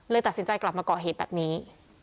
ตัดสินใจกลับมาก่อเหตุแบบนี้